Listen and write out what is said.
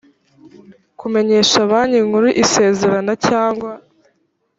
kumenyesha banki nkuru isezera na cyangwa